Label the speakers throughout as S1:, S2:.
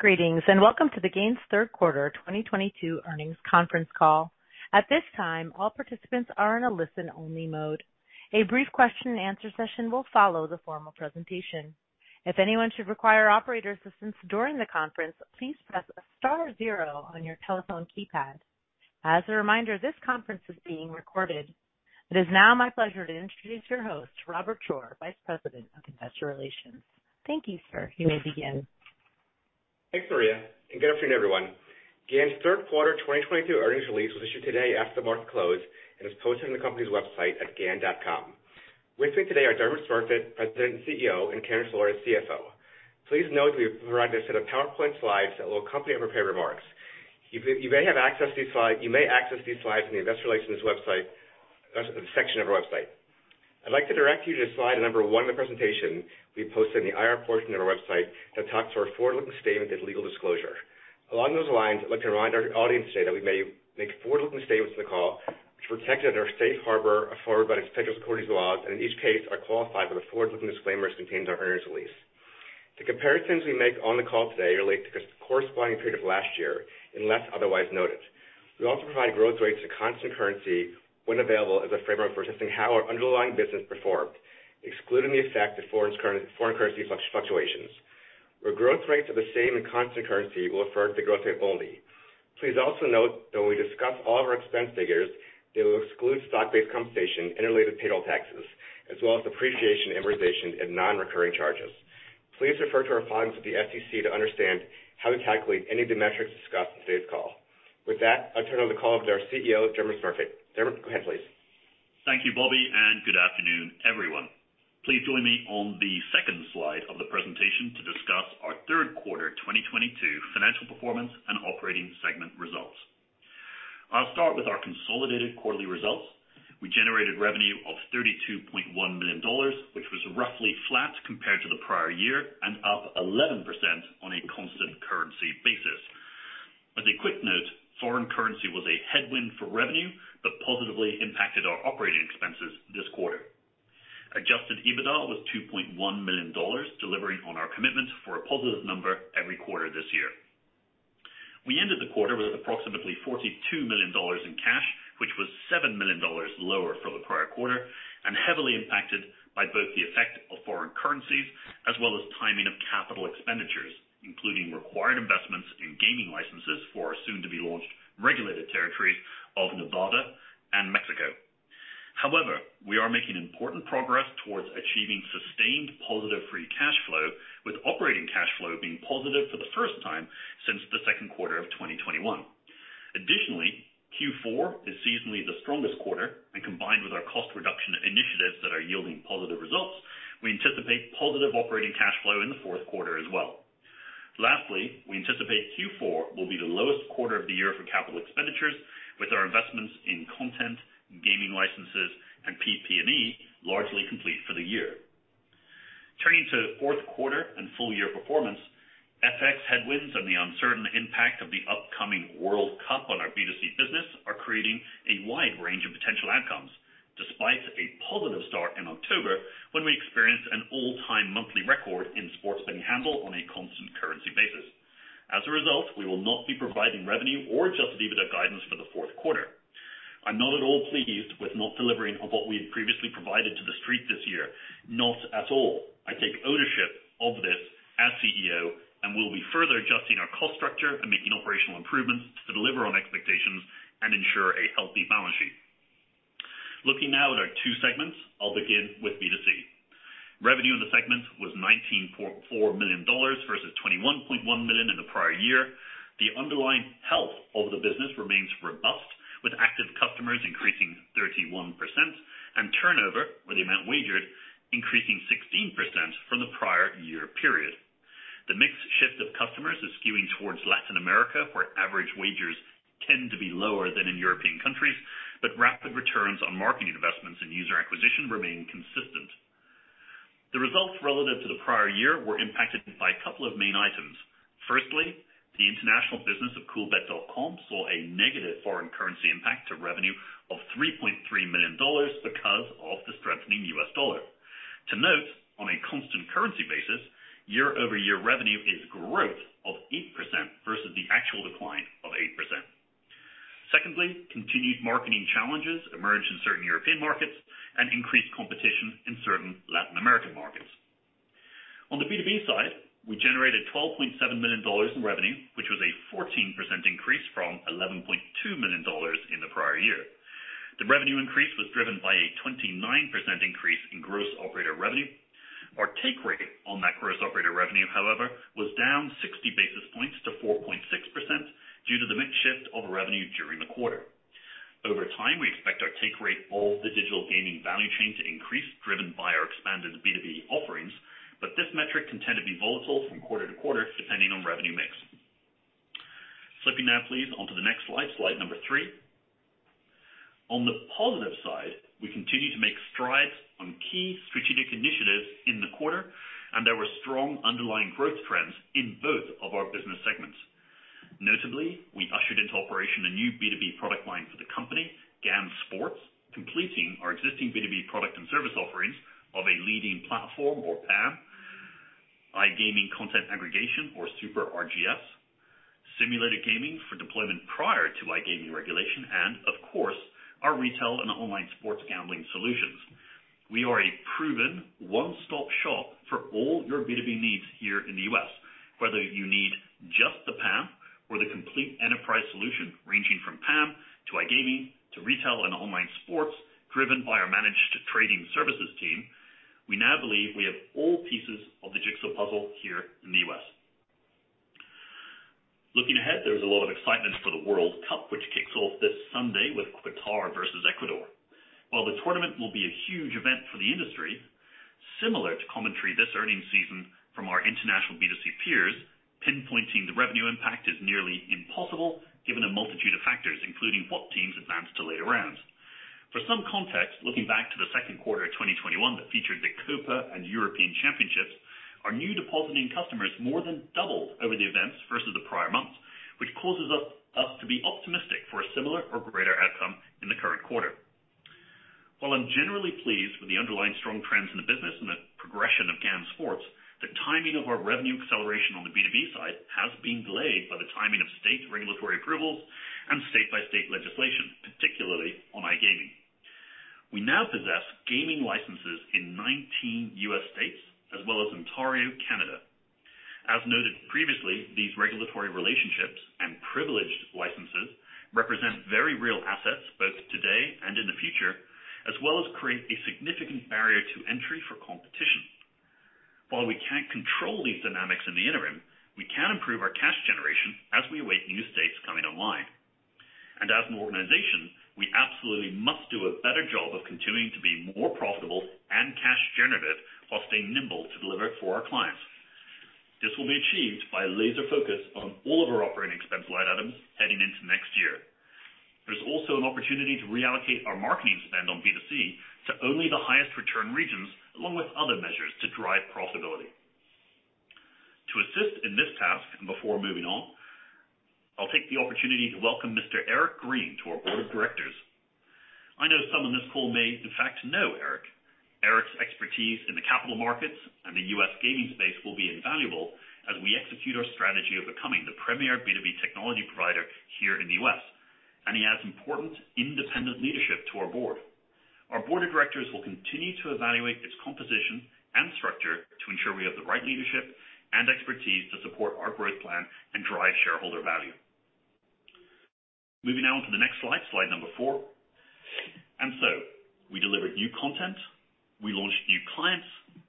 S1: Greetings, and welcome to the GAN's third quarter 2022 earnings conference call. At this time, all participants are in a listen-only mode. A brief question and answer session will follow the formal presentation. If anyone should require operator assistance during the conference, please press star zero on your telephone keypad. As a reminder, this conference is being recorded. It is now my pleasure to introduce your host, Robert Shore, Vice President of Investor Relations. Thank you, sir. You may begin.
S2: Thanks, Maria, and good afternoon, everyone. GAN's third quarter 2022 earnings release was issued today after market close and is posted on the company's website at gan.com. With me today are Dermot Smurfit, President and CEO, and Karen Flores, CFO. Please note we have provided a set of PowerPoint slides that will accompany our prepared remarks. You may access these slides on the Investor Relations website section of our website. I'd like to direct you to slide number one of the presentation we posted in the IR portion of our website that talks to our forward-looking statement and legal disclosure. Along those lines, I'd like to remind our audience today that we may make forward-looking statements on the call which are protected under a safe harbor afforded by the Securities and Exchange Laws, and in each case are qualified by the forward-looking disclaimers contained in our earnings release. The comparisons we make on the call today relate to the corresponding period of last year, unless otherwise noted. We also provide growth rates to constant currency when available as a framework for assessing how our underlying business performed, excluding the effect of foreign currency fluctuations. Where growth rates are the same in constant currency, we'll refer to growth rate only. Please also note that when we discuss all of our expense figures, they will exclude stock-based compensation and related payroll taxes, as well as depreciation, amortization, and non-recurring charges. Please refer to our filings with the SEC to understand how to calculate any of the metrics discussed in today's call. With that, I'll turn over the call to our CEO, Dermot Smurfit. Dermot, go ahead, please.
S3: Thank you, Bobby, and good afternoon, everyone. Please join me on the second slide of the presentation to discuss our third quarter 2022 financial performance and operating segment results. I'll start with our consolidated quarterly results. We generated revenue of $32.1 million, which was roughly flat compared to the prior year and up 11% on a constant currency basis. As a quick note, foreign currency was a headwind for revenue but positively impacted our operating expenses this quarter. Adjusted EBITDA was $2.1 million, delivering on our commitment for a positive number every quarter this year. We ended the quarter with approximately $42 million in cash, which was $7 million lower for the prior quarter and heavily impacted by both the effect of foreign currencies as well as timing of capital expenditures, including required investments in gaming licenses for our soon-to-be-launched regulated territories of Nevada and Mexico. However, we are making important progress towards achieving sustained positive free cash flow, with operating cash flow being positive for the first time since the second quarter of 2021. Additionally, Q4 is seasonally the strongest quarter and combined with our cost reduction initiatives that are yielding positive results, we anticipate positive operating cash flow in the fourth quarter as well. Lastly, we anticipate Q4 will be the lowest quarter of the year for capital expenditures with our investments in content, gaming licenses, and PP&E largely complete for the year. Turning to fourth quarter and full-year performance, FX headwinds and the uncertain impact of the upcoming World Cup on our B2C business are creating a wide range of potential outcomes, despite a positive start in October when we experienced an all-time monthly record in sports betting handle on a constant currency basis. As a result, we will not be providing revenue or adjusted EBITDA guidance for the fourth quarter. I'm not at all pleased with not delivering on what we had previously provided to the Street this year. Not at all. I take ownership of this as CEO, and we'll be further adjusting our cost structure and making operational improvements to deliver on expectations and ensure a healthy balance sheet. Looking now at our two segments, I'll begin with B2C. Revenue in the segment was $19.4 million versus $21.1 million in the prior year. The underlying health of the business remains robust, with active customers increasing 31% and turnover, or the amount wagered, increasing 16% from the prior year period. The mix shift of customers is skewing towards Latin America, where average wagers tend to be lower than in European countries, but rapid returns on marketing investments and user acquisition remain consistent. The results relative to the prior year were impacted by a couple of main items. Firstly, the international business of Coolbet.com saw a negative foreign currency impact to revenue of $3.3 million because of the strengthening U.S. dollar. To note, on a constant currency basis, year-over-year revenue is growth of 8% versus the actual decline of 8%. Secondly, continued marketing challenges emerged in certain European markets and increased competition in certain Latin American markets. On the B2B side, we generated $12.7 million in revenue, which was a 14% increase from $11.2 million in the prior year. The revenue increase was driven by a 29% increase in Gross Operator Revenue. Our take rate on that Gross Operator Revenue, however, was down 60 basis points to 4.6% due to the mix shift of revenue during the quarter. Over time, we expect our take rate of the digital gaming value chain to increase driven by our expanded B2B offerings, but this metric can tend to be volatile from quarter to quarter, depending on revenue mix. Flipping now, please, on to the next slide number three. On the positive side, we continue to make strides on key strategic initiatives in the quarter, and there were strong underlying growth trends in both of our business segments. Notably, we ushered into operation a new B2B product line for the company, GAN Sports, completing our existing B2B product and service offerings of a leading platform or PAM, iGaming content aggregation or Super RGS, Simulated Gaming for deployment prior to iGaming regulation, and of course, our retail and online sports gambling solutions. We are a proven one-stop shop for all your B2B needs here in the U.S., whether you need just the PAM or the complete enterprise solution, ranging from PAM to iGaming to retail and online sports, driven by our managed trading services team. We now believe we have all pieces of the jigsaw puzzle here in the U.S. Looking ahead, there is a lot of excitement for the World Cup, which kicks off this Sunday with Qatar versus Ecuador. While the tournament will be a huge event for the industry, similar to commentary this earnings season from our international B2C peers, pinpointing the revenue impact is nearly impossible given a multitude of factors, including what teams advance to later rounds. For some context, looking back to the second quarter of 2021 that featured the Copa América and European Championship, our new depositing customers more than doubled over the events versus the prior months, which causes us to be optimistic for a similar or greater outcome in the current quarter. While I'm generally pleased with the underlying strong trends in the business and the progression of GAN Sports, the timing of our revenue acceleration on the B2B side has been delayed by the timing of state regulatory approvals and state-by-state legislation, particularly on iGaming. We now possess gaming licenses in 19 U.S. states as well as Ontario, Canada. As noted previously, these regulatory relationships and privileged licenses represent very real assets both today and in the future, as well as create a significant barrier to entry for competition. While we can't control these dynamics in the interim, we can improve our cash generation as we await new states coming online. As an organization, we absolutely must do a better job of continuing to be more profitable and cash generative while staying nimble to deliver for our clients. This will be achieved by laser focus on all of our operating expense line items heading into next year. There's also an opportunity to reallocate our marketing spend on B2C to only the highest return regions, along with other measures to drive profitability. To assist in this task, and before moving on, I'll take the opportunity to welcome Mr. Eric J. Green to our board of directors. I know some on this call may, in fact, know Eric. Eric's expertise in the capital markets and the U.S. gaming space will be invaluable as we execute our strategy of becoming the premier B2B technology provider here in the U.S., and he adds important independent leadership to our board. Our board of directors will continue to evaluate its composition and structure to ensure we have the right leadership and expertise to support our growth plan and drive shareholder value. Moving now on to the next slide number four. We delivered new content, we launched new clients,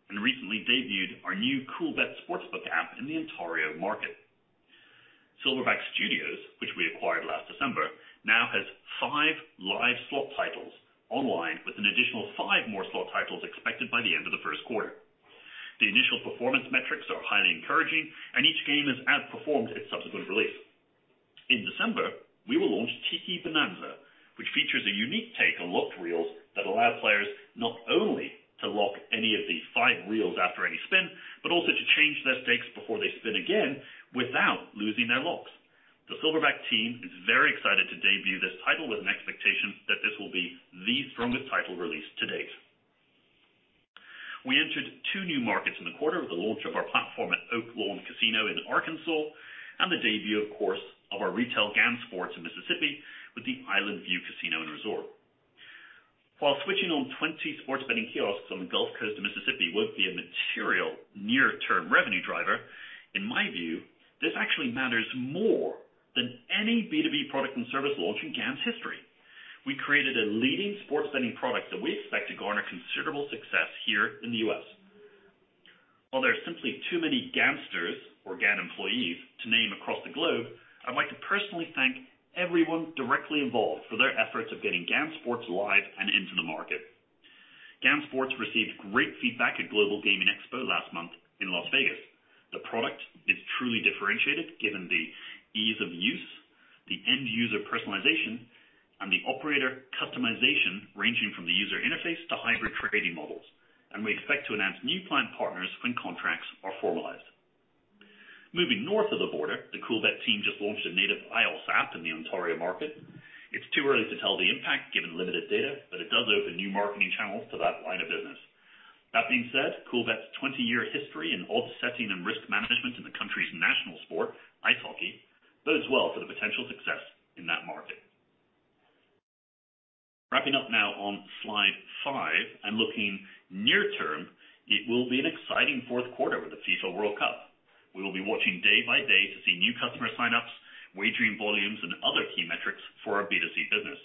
S3: and recently debuted our new Coolbet Sportsbook app in the Ontario market. Silverback Studios, which we acquired last December, now has five live slot titles online with an additional five more slot titles expected by the end of the first quarter. The initial performance metrics are highly encouraging, and each game has outperformed its subsequent release. In December, we will launch Tiki Bonanza, which features a unique take on locked reels that allow players not only to lock any of the five reels after any spin, but also to change their stakes before they spin again without losing their locks. The Silverback team is very excited to debut this title with an expectation that this will be the strongest title release to date. We entered two new markets in the quarter with the launch of our platform at Oaklawn Casino in Arkansas and the debut, of course, of our retail GAN Sports in Mississippi with the Island View Casino Resort. While switching on 20 sports betting kiosks on the Gulf Coast of Mississippi won't be a material near-term revenue driver, in my view, this actually matters more than any B2B product and service launch in GAN's history. We created a leading sports betting product that we expect to garner considerable success here in the U.S. While there are simply too many GANsters or GAN employees to name across the globe, I'd like to personally thank everyone directly involved for their efforts of getting GAN Sports live and into the market. GAN Sports received great feedback at Global Gaming Expo last month in Las Vegas. The product is truly differentiated given the ease of use, the end user personalization, and the operator customization ranging from the user interface to hybrid trading models. We expect to announce new platform partners when contracts are formalized. Moving north of the border, the Coolbet team just launched a native iOS app in the Ontario market. It's too early to tell the impact given limited data, but it does open new marketing channels to that line of business. That being said, Coolbet's 20-year history in odds setting and risk management in the country's national sport, ice hockey, bodes well for the potential success in that market. Wrapping up now on slide five and looking near term, it will be an exciting fourth quarter with the FIFA World Cup. We will be watching day by day to see new customer sign-ups, wagering volumes, and other key metrics for our B2C business.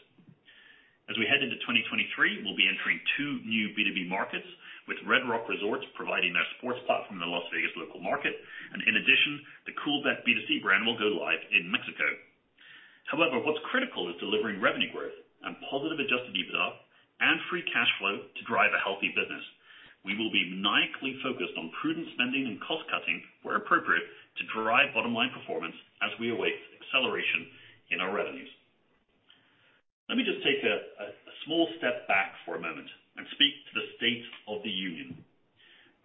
S3: As we head into 2023, we'll be entering two new B2B markets with Red Rock Resorts providing their sports platform in the Las Vegas local market. In addition, the Coolbet B2C brand will go live in Mexico. However, what's critical is delivering revenue growth and positive adjusted EBITDA and free cash flow to drive a healthy business. We will be maniacally focused on prudent spending and cost-cutting where appropriate to drive bottom-line performance as we await acceleration. Small step back for a moment and speak to the state of the union.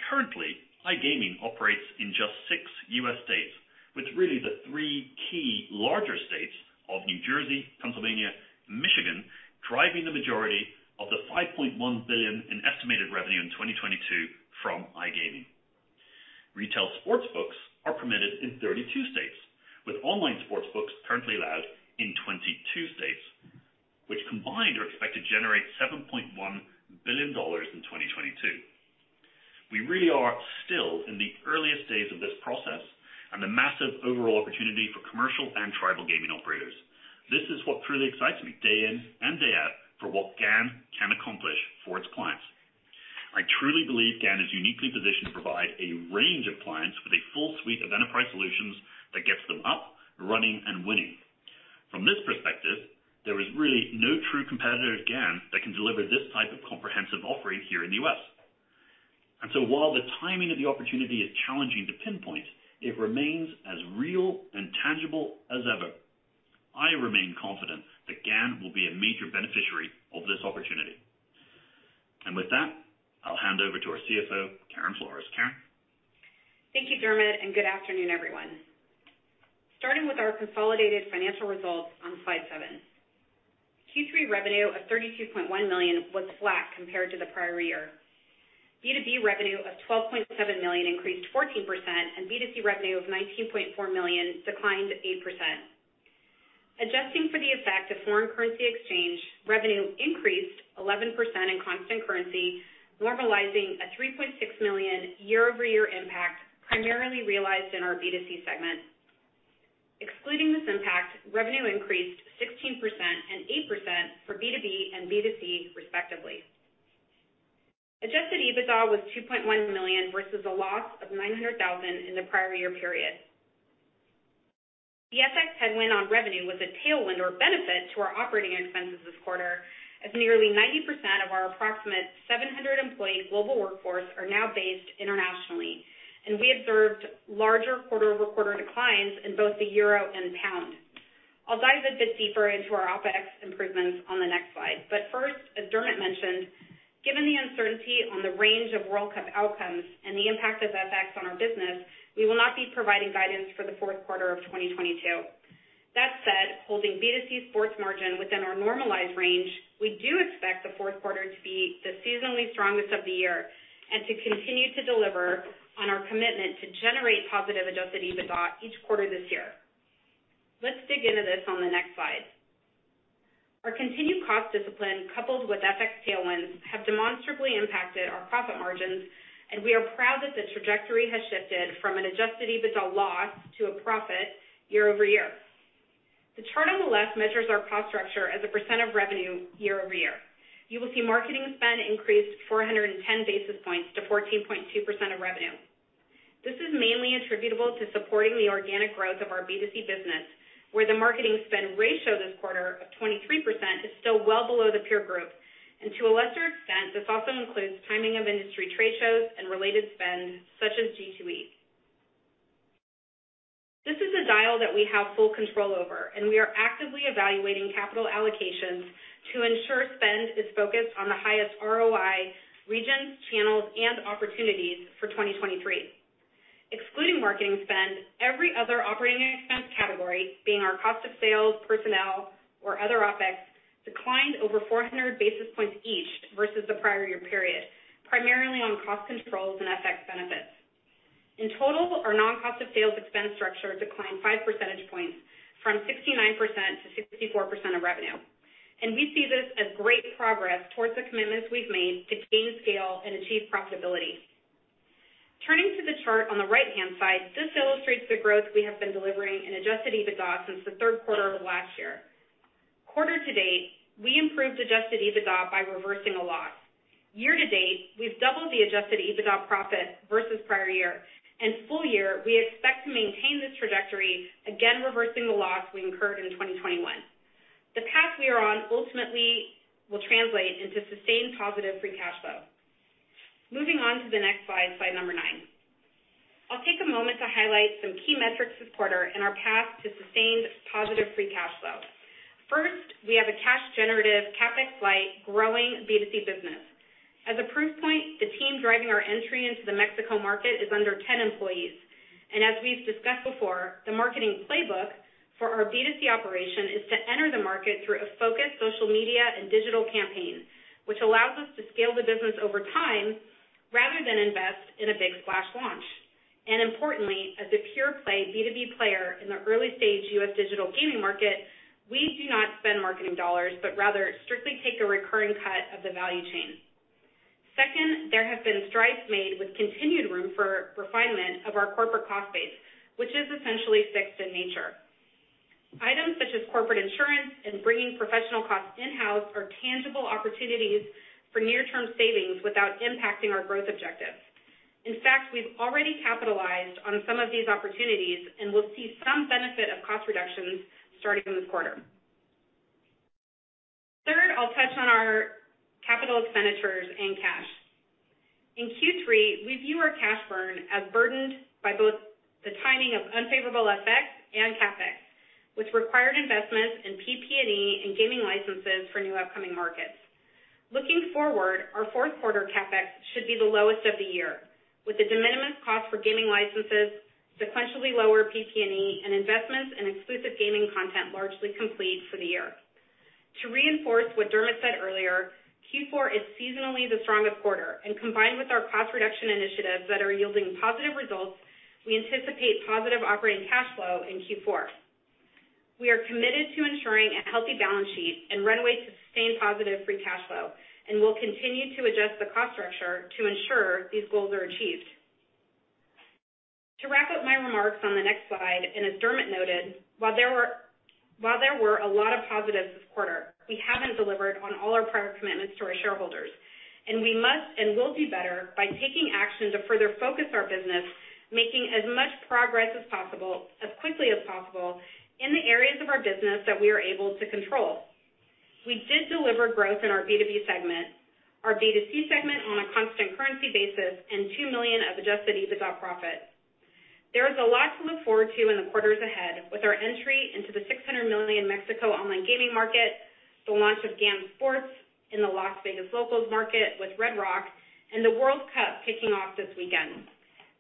S3: Currently, iGaming operates in just six U.S. states, with really the three key larger states of New Jersey, Pennsylvania, Michigan, driving the majority of the $5.1 billion in estimated revenue in 2022 from iGaming. Retail sportsbooks are permitted in 32 states, with online sportsbooks currently allowed in 22 states, which combined are expected to generate $7.1 billion in 2022. We really are still in the earliest days of this process and the massive overall opportunity for commercial and tribal gaming operators. This is what truly excites me day in and day out for what GAN can accomplish for its clients. I truly believe GAN is uniquely positioned to provide a range of clients with a full suite of enterprise solutions that gets them up, running, and winning. From this perspective, there is really no true competitor to GAN that can deliver this type of comprehensive offering here in the U.S. While the timing of the opportunity is challenging to pinpoint, it remains as real and tangible as ever. I remain confident that GAN will be a major beneficiary of this opportunity. With that, I'll hand over to our CFO, Karen Flores. Karen?
S4: Thank you, Dermot, and good afternoon, everyone. Starting with our consolidated financial results on slide 7. Q3 revenue of $32.1 million was flat compared to the prior year. B2B revenue of $12.7 million increased 14% and B2C revenue of $19.4 million declined 8%. Adjusting for the effect of foreign currency exchange, revenue increased 11% in constant currency, normalizing a $3.6 million year-over-year impact primarily realized in our B2C segment. Excluding this impact, revenue increased 16% and 8% for B2B and B2C, respectively. Adjusted EBITDA was $2.1 million versus a loss of $900,000 in the prior year period. The FX headwind on revenue was a tailwind or benefit to our operating expenses this quarter, as nearly 90% of our approximate 700-employee global workforce are now based internationally, and we observed larger quarter-over-quarter declines in both the euro and pound. I'll dive a bit deeper into our OpEx improvements on the next slide. First, as Dermot mentioned, given the uncertainty on the range of World Cup outcomes and the impact of FX on our business, we will not be providing guidance for the fourth quarter of 2022. That said, holding B2C sports margin within our normalized range, we do expect the fourth quarter to be the seasonally strongest of the year and to continue to deliver on our commitment to generate positive adjusted EBITDA each quarter this year. Let's dig into this on the next slide. Our continued cost discipline, coupled with FX tailwinds, have demonstrably impacted our profit margins, and we are proud that the trajectory has shifted from an adjusted EBITDA loss to a profit year-over-year. The chart on the left measures our cost structure as a percent of revenue year-over-year. You will see marketing spend increased 410 basis points to 14.2% of revenue. This is mainly attributable to supporting the organic growth of our B2C business, where the marketing spend ratio this quarter of 23% is still well below the peer group. To a lesser extent, this also includes timing of industry trade shows and related spend such as G2E. This is a dial that we have full control over, and we are actively evaluating capital allocations to ensure spend is focused on the highest ROI regions, channels, and opportunities for 2023. Excluding marketing spend, every other operating expense category, being our cost of sales, personnel, or other OPEX, declined over 400 basis points each versus the prior year period, primarily on cost controls and FX benefits. In total, our non-cost of sales expense structure declined 5 percentage points from 69%-64% of revenue. We see this as great progress towards the commitments we've made to gain scale and achieve profitability. Turning to the chart on the right-hand side, this illustrates the growth we have been delivering in adjusted EBITDA since the third quarter of last year. Quarter to date, we improved adjusted EBITDA by reversing a loss. Year to date, we've doubled the adjusted EBITDA profit versus prior year. Full year, we expect to maintain this trajectory, again, reversing the loss we incurred in 2021. The path we are on ultimately will translate into sustained positive free cash flow. Moving on to the next slide number nine. I'll take a moment to highlight some key metrics this quarter and our path to sustained positive free cash flow. First, we have a cash generative CapEx-light growing B2C business. As a proof point, the team driving our entry into the Mexico market is under 10 employees. As we've discussed before, the marketing playbook for our B2C operation is to enter the market through a focused social media and digital campaign, which allows us to scale the business over time rather than invest in a big splash launch. Importantly, as a pure-play B2B player in the early stage US digital gaming market, we do not spend marketing dollars, but rather strictly take a recurring cut of the value chain. Second, there have been strides made with continued room for refinement of our corporate cost base, which is essentially fixed in nature. Items such as corporate insurance and bringing professional costs in-house are tangible opportunities for near-term savings without impacting our growth objectives. In fact, we've already capitalized on some of these opportunities, and we'll see some benefit of cost reductions starting this quarter. Third, I'll touch on our capital expenditures and cash. In Q3, we view our cash burn as burdened by both the timing of unfavorable FX and CapEx, which required investments in PP&E and gaming licenses for new upcoming markets. Looking forward, our fourth quarter CapEx should be the lowest of the year, with a de minimis cost for gaming licenses, sequentially lower PP&E, and investments in exclusive gaming content largely complete for the year. To reinforce what Dermot said earlier, Q4 is seasonally the strongest quarter, and combined with our cost reduction initiatives that are yielding positive results, we anticipate positive operating cash flow in Q4. We are committed to ensuring a healthy balance sheet and runway for sustained positive free cash flow, and we'll continue to adjust the cost structure to ensure these goals are achieved. To wrap up my remarks on the next slide, as Dermot noted, while there were a lot of positives this quarter, we haven't delivered on all our prior commitments to our shareholders, and we must and will do better by taking action to further focus our business, making as much progress as possible, as quickly as possible in the areas of our business that we are able to control. We did deliver growth in our B2B segment, our B2C segment on a constant currency basis, and $2 million of adjusted EBITDA profit. There is a lot to look forward to in the quarters ahead with our entry into the $600 million Mexico online gaming market, the launch of GAN Sports in the Las Vegas locals market with Red Rock and the World Cup kicking off this weekend.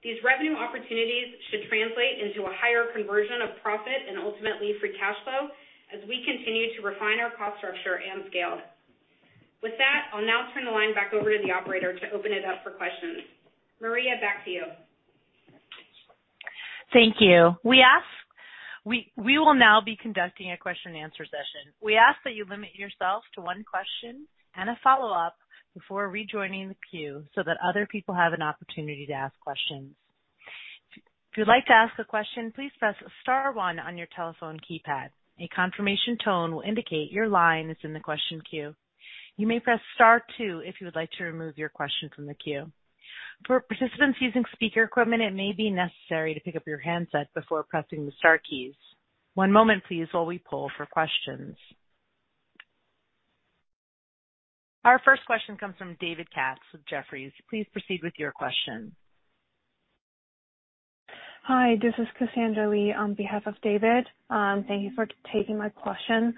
S4: These revenue opportunities should translate into a higher conversion of profit and ultimately free cash flow as we continue to refine our cost structure and scale. With that, I'll now turn the line back over to the operator to open it up for questions. Maria, back to you.
S1: Thank you. We will now be conducting a question-and-answer session. We ask that you limit yourself to one question and a follow-up before rejoining the queue so that other people have an opportunity to ask questions. If you'd like to ask a question, please press star one on your telephone keypad. A confirmation tone will indicate your line is in the question queue. You may press star two if you would like to remove your question from the queue. For participants using speaker equipment, it may be necessary to pick up your handset before pressing the star keys. One moment please while we poll for questions. Our first question comes from David Katz with Jefferies. Please proceed with your question.
S5: Hi, this is Cassandra Lee on behalf of David Katz. Thank you for taking my question.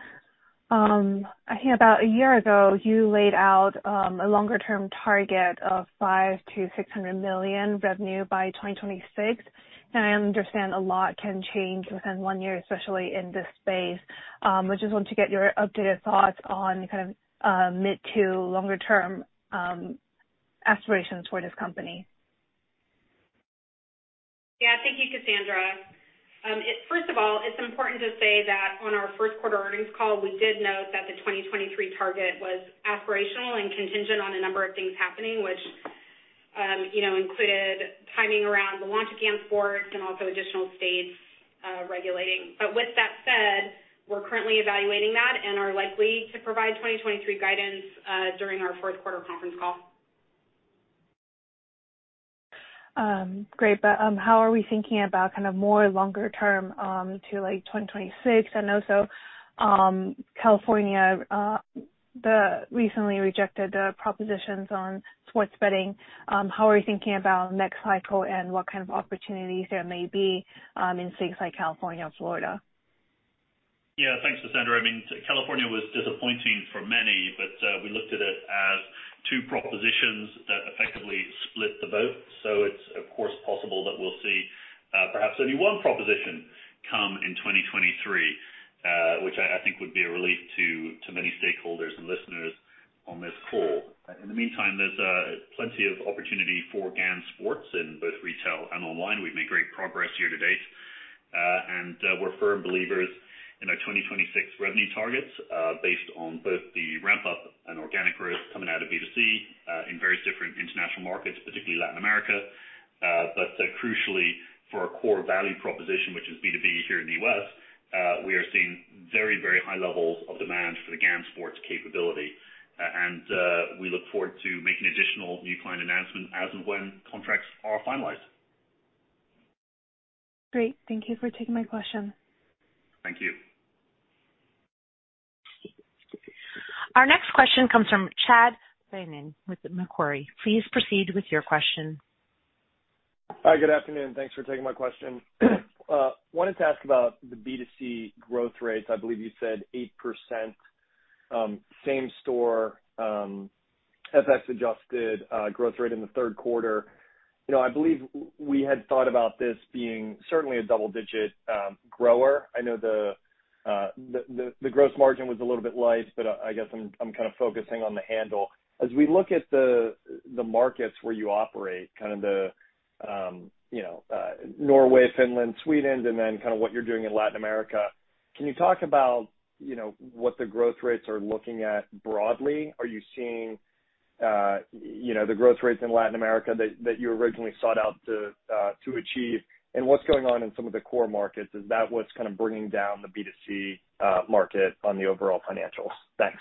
S5: I think about a year ago, you laid out a longer-term target of $500 million-$600 million revenue by 2026. Now I understand a lot can change within one year, especially in this space. I just want to get your updated thoughts on kind of mid-to longer-term aspirations for this company.
S4: Yeah. Thank you, Cassandra. First of all, it's important to say that on our first quarter earnings call, we did note that the 2023 target was aspirational and contingent on a number of things happening, which, you know, included timing around the launch of GAN Sports and also additional states regulating. With that said, we're currently evaluating that and are likely to provide 2023 guidance during our fourth quarter conference call.
S5: Great. How are we thinking about kind of more longer term, to like 2026? I know so, California recently rejected the propositions on sports betting. How are you thinking about next cycle and what kind of opportunities there may be, in states like California or Florida?
S3: Yeah. Thanks, Cassandra. I mean, California was disappointing for many, but we looked at it as two propositions that effectively split the vote. It's of course possible that we'll see perhaps only one proposition come in 2023, which I think would be a relief to many stakeholders and listeners on this call. In the meantime, there's plenty of opportunity for GAN Sports in both retail and online. We've made great progress year to date, and we're firm believers in our 2026 revenue targets, based on both the ramp-up and organic growth coming out of B2C in various different international markets, particularly Latin America. But crucially for our core value proposition, which is B2B here in the U.S., we are seeing very, very high levels of demand for the GAN Sports capability. We look forward to making additional new client announcements as and when contracts are finalized.
S5: Great. Thank you for taking my question.
S3: Thank you.
S1: Our next question comes from Chad Beynon with Macquarie. Please proceed with your question.
S6: Hi, good afternoon. Thanks for taking my question. Wanted to ask about the B2C growth rates. I believe you said 8%, same store, FX adjusted, growth rate in the third quarter. You know, I believe we had thought about this being certainly a double-digit grower. I know the gross margin was a little bit light, but I guess I'm kind of focusing on the handle. As we look at the markets where you operate, kind of Norway, Finland, Sweden, and then kind of what you're doing in Latin America, can you talk about, you know, what the growth rates are looking like broadly? Are you seeing, you know, the growth rates in Latin America that you originally sought out to achieve, and what's going on in some of the core markets? Is that what's kind of bringing down the B2C market on the overall financials? Thanks.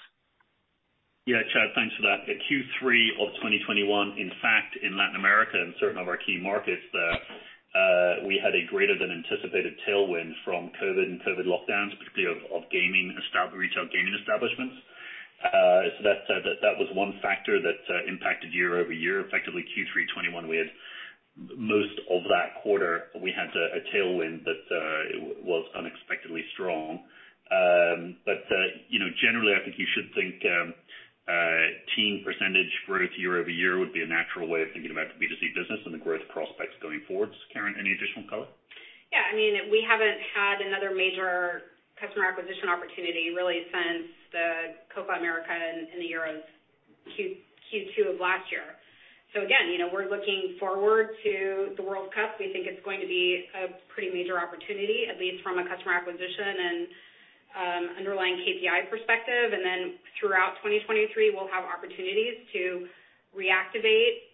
S3: Yeah, Chad, thanks for that. Q3 of 2021, in fact, in Latin America and certain of our key markets there. We had a greater than anticipated tailwind from COVID and COVID lockdowns, particularly of retail gaming establishments. That was one factor that impacted year-over-year. Effectively Q3 2021, we had most of that quarter a tailwind that was unexpectedly strong. You know, generally, I think you should think teen percentage growth year-over-year would be a natural way of thinking about the B2C business and the growth prospects going forward. Karen, any additional color?
S4: Yeah, I mean, we haven't had another major customer acquisition opportunity really since the Copa América in Q2 of last year. Again, you know, we're looking forward to the World Cup. We think it's going to be a pretty major opportunity, at least from a customer acquisition and underlying KPI perspective. Then throughout 2023, we'll have opportunities to reactivate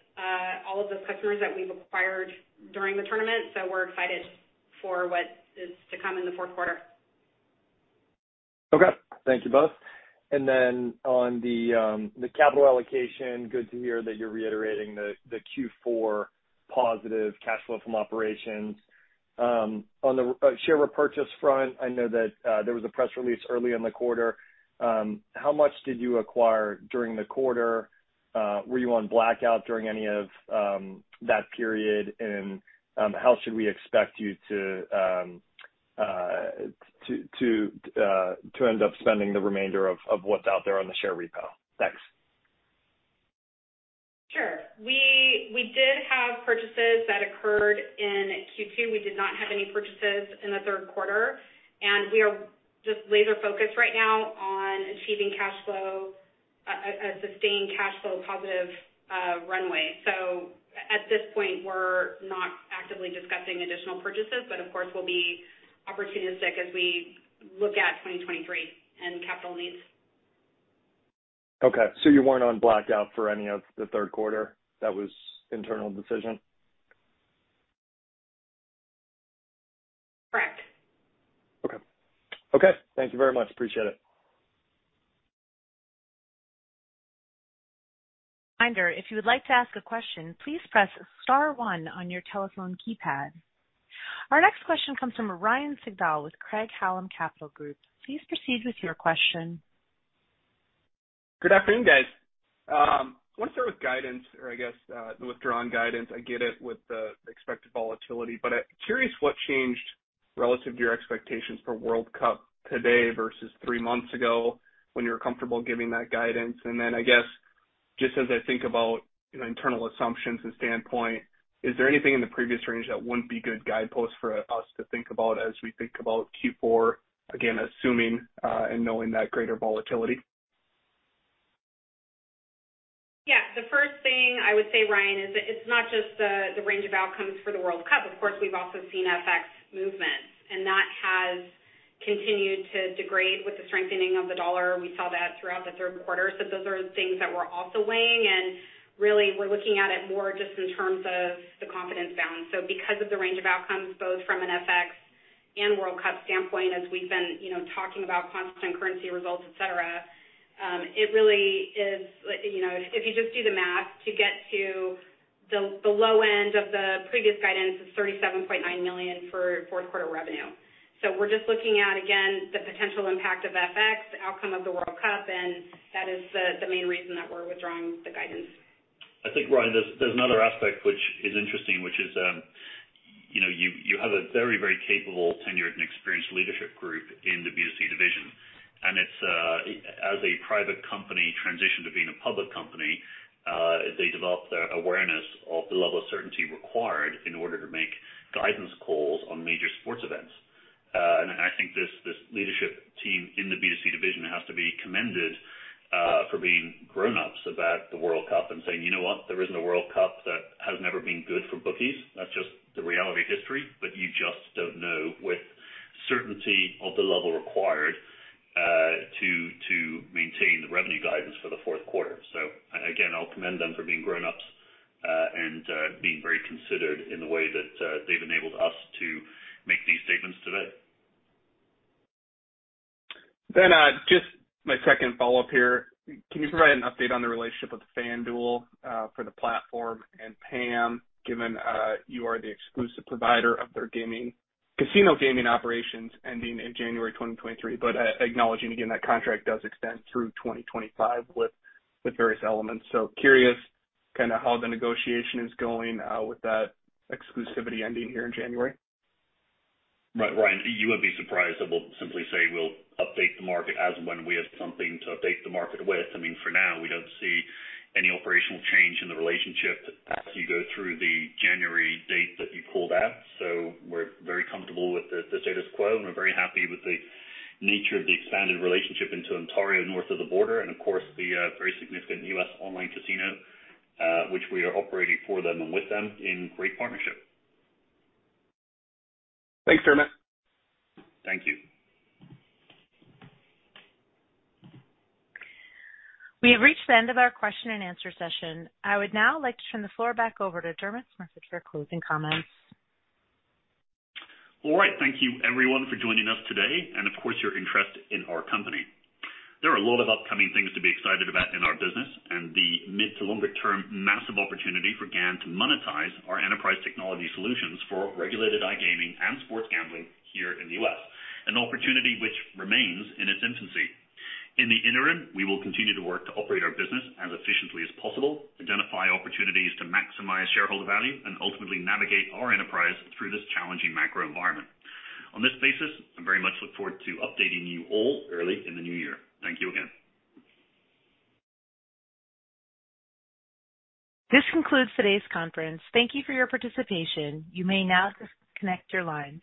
S4: all of those customers that we've acquired during the tournament. We're excited for what is to come in the fourth quarter.
S6: Okay. Thank you both. On the capital allocation, good to hear that you're reiterating the Q4 positive cash flow from operations. On the share repurchase front, I know that there was a press release early in the quarter. How much did you acquire during the quarter? Were you on blackout during any of that period? How should we expect you to end up spending the remainder of what's out there on the share repo? Thanks.
S4: Sure. We did have purchases that occurred in Q2. We did not have any purchases in the third quarter, and we are just laser focused right now on achieving a sustained cash flow positive runway. At this point, we're not actively discussing additional purchases, but of course, we'll be opportunistic as we look at 2023 and capital needs.
S6: Okay, you weren't on blackout for any of the third quarter. That was internal decision?
S4: Correct.
S6: Okay. Thank you very much. Appreciate it.
S1: Reminder, if you would like to ask a question, please press star one on your telephone keypad. Our next question comes from Ryan Sigdahl with Craig-Hallum Capital Group. Please proceed with your question.
S7: Good afternoon, guys. I wanna start with guidance or I guess, the withdrawn guidance. I get it with the expected volatility, but I'm curious what changed relative to your expectations for World Cup today versus three months ago when you were comfortable giving that guidance. Then I guess, just as I think about, you know, internal assumptions and standpoint, is there anything in the previous range that wouldn't be good guideposts for us to think about as we think about Q4, again, assuming and knowing that greater volatility?
S4: Yeah. The first thing I would say, Ryan, is that it's not just the range of outcomes for the World Cup. Of course, we've also seen FX movements, and that has continued to degrade with the strengthening of the dollar. We saw that throughout the third quarter. Those are things that we're also weighing, and really, we're looking at it more just in terms of the confidence balance. Because of the range of outcomes, both from an FX and World Cup standpoint, as we've been, you know, talking about constant currency results, et cetera, it really is, you know, if you just do the math to get to the low end of the previous guidance is $37.9 million for fourth quarter revenue. We're just looking at, again, the potential impact of FX, the outcome of the World Cup, and that is the main reason that we're withdrawing the guidance.
S3: I think, Ryan, there's another aspect which is interesting, you know, you have a very, very capable tenured and experienced leadership group in the B2C division. It's as a private company transition to being a public company, they developed their awareness of the level of certainty required in order to make guidance calls on major sports events. I think this leadership team in the B2C division has to be commended for being grown-ups about the World Cup and saying, "You know what? There isn't a World Cup that has never been good for bookies." That's just the reality of history. You just don't know with certainty of the level required to maintain the revenue guidance for the fourth quarter. Again, I'll commend them for being grown-ups, and being very considered in the way that they've enabled us to make these statements today.
S7: Just my second follow-up here. Can you provide an update on the relationship with FanDuel for the platform and PAM, given you are the exclusive provider of their casino gaming operations ending in January 2023, but acknowledging again that contract does extend through 2025 with various elements. Curious kinda how the negotiation is going with that exclusivity ending here in January.
S3: Right. Ryan, you wouldn't be surprised that we'll simply say we'll update the market as and when we have something to update the market with. I mean, for now, we don't see any operational change in the relationship as you go through the January date that you called out. We're very comfortable with the status quo, and we're very happy with the nature of the expanded relationship into Ontario, north of the border, and of course, the very significant U.S. online casino, which we are operating for them and with them in great partnership.
S7: Thanks, Dermot.
S3: Thank you.
S1: We have reached the end of our question and answer session. I would now like to turn the floor back over to Dermot Smurfit for closing comments.
S3: All right. Thank you everyone for joining us today and of course, your interest in our company. There are a lot of upcoming things to be excited about in our business and the mid to longer term massive opportunity for GAN to monetize our enterprise technology solutions for regulated iGaming and sports gambling here in the U.S., an opportunity which remains in its infancy. In the interim, we will continue to work to operate our business as efficiently as possible, identify opportunities to maximize shareholder value, and ultimately navigate our enterprise through this challenging macro environment. On this basis, I very much look forward to updating you all early in the new year. Thank you again.
S1: This concludes today's conference. Thank you for your participation. You may now disconnect your lines.